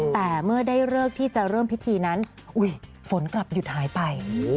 แต่เมื่อได้เลิกที่จะเริ่มพิธีนั้นฝนกลับหยุดหายไป